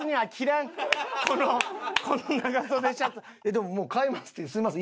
でももう「買います」ってすみません